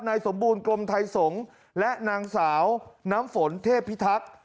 นายสมบูรณ์กรมไทยสงฆ์และนางสาวน้ำฝนเทพิทักษ์